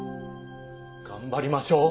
頑張りましょう！